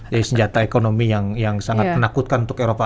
jadi senjata ekonomi yang sangat menakutkan untuk eropa